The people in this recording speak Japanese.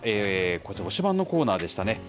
こちら、推しバン！のコーナーでしたね。